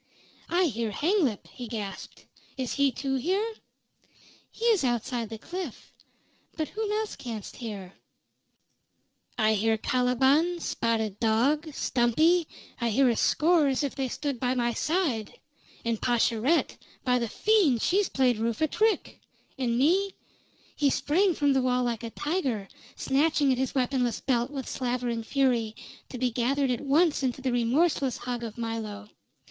"I hear Hanglip!" he gasped. "Is he, too, here?" "He is outside the cliff. But whom else canst hear?" "I hear Caliban Spotted Dog Stumpy I hear a score as if they stood by my side! And Pascherette! By the fiend! She has played Rufe a trick! And me " He sprang from the wall like a tiger, snatching at his weaponless belt with slavering fury, to be gathered at once into the remorseless hug of Milo.